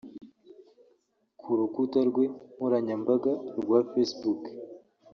Ku rukuta rwe nkoranyambaga rwa facebook